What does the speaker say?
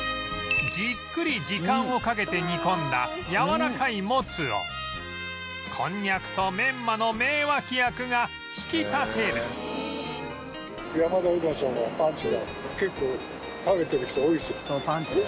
じっくり時間をかけて煮込んだやわらかいもつをこんにゃくとメンマの名脇役が引き立てる